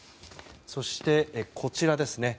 そして、こちらですね。